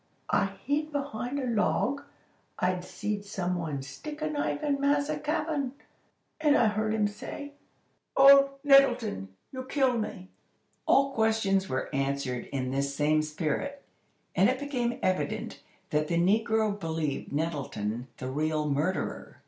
I hid behind a log. I see'd some one stick a knife in massa cap'n, and I heard him say: "'Oh! Nettletum, you kill me!'" All questions were answered in the same spirit, and it became evident that the negro believed Nettleton the real murderer.